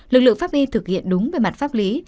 lực lượng pháp y thực hiện đúng về mặt pháp lý